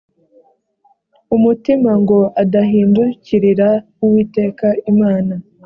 umutima ngo adahindukirira uwiteka imana